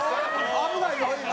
危ないよ今。